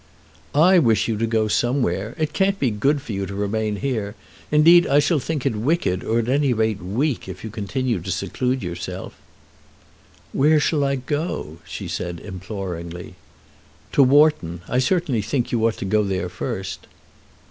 "I wish you to go somewhere. It can't be good for you to remain here. Indeed I shall think it wicked, or at any rate weak, if you continue to seclude yourself." "Where shall I go?" she said, imploringly. "To Wharton. I certainly think you ought to go there first."